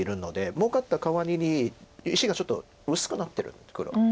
もうかったかわりに石がちょっと薄くなってる黒。